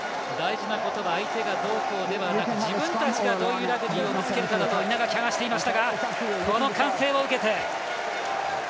大事なことは相手がどうこうではなくて自分たちがどういうラグビーをぶつけるかだと稲垣、話していましたがこの歓声を受けて。